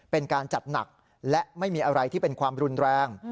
เป็นการจัดหนักและไม่มีอะไรที่เป็นความรุนแรง